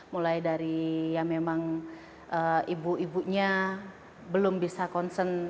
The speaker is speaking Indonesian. mulai dari ya memang ibu ibunya belum bisa concern